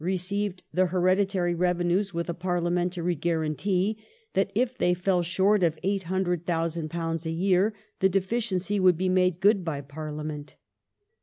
received the hereditary revenues with a parliamentary guarantee that if they fell short of £800,000 a year the deficiency would be made good by Parliament.